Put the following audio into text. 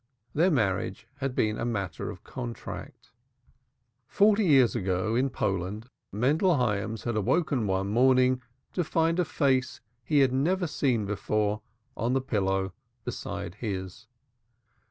Their marriage had been a matter of contract. Forty years ago, in Poland, Mendel Hyams had awoke one morning to find a face he had never seen before on the pillow beside his.